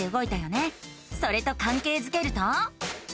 それとかんけいづけると。